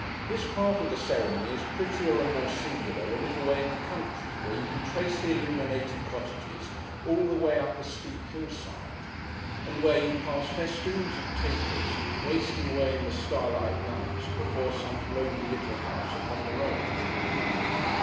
This part of the ceremony is prettier and more singular a little way in the country, where you can trace the illuminated cottages all the way up a steep hill side; and where you pass festoons of tapers, wasting away in the starlight night, before some lonely little house upon the road.